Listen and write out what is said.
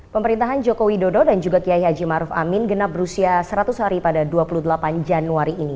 pemerintahan joko widodo dan juga kiai haji maruf amin genap berusia seratus hari pada dua puluh delapan januari ini